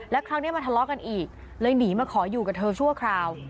แล้วคราวนี้มาทะเลาะกันอีกเลยหนีมาขออยู่กับเธอชั่วคราว